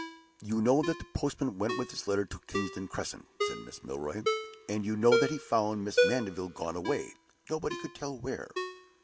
"You know that the postman went with this letter to Kingsdown Crescent?" said Mrs. Milroy. "And you know that he found Mrs. Mandeville gone away, nobody could tell where?"